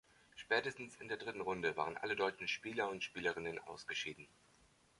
Spätestens in der dritten Runde waren alle deutschen Spieler und Spielerinnen ausgeschieden.